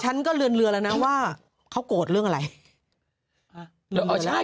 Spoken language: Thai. ฉันก็เรือนเรือแล้วนะว่าเขาโกรธเรื่องอะไรฮะ